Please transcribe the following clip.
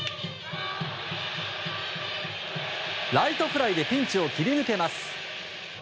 ライトフライでピンチを切り抜けます。